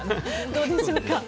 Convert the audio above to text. どうでしょうか。